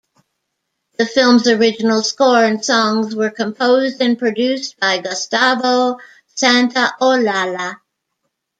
The film's original score and songs were composed and produced by Gustavo Santaolalla.